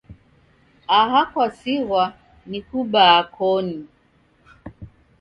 Aha kwasighwa ni kubaa koni.